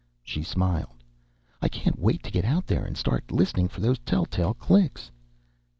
She smiled. "I can't wait to get out there and start listening for those tell tale clicks."